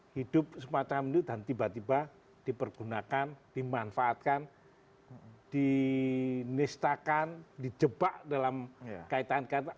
hidup semacam itu dan tiba tiba dipergunakan dimanfaatkan dinistakan dijebak dalam kaitan kaitan